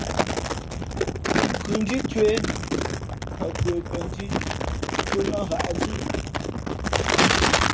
Nkhʉndhǐ cwēh, α kwe pαndhī cō nά hǎʼzʉ́.